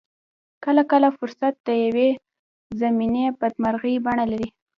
کله کله فرصت د يوې ضمني بدمرغۍ بڼه لري.